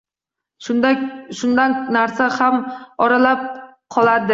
Shundan narsa ham oralab qoladi.